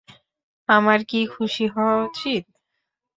আমার কি খুশি হওয়া উচিত?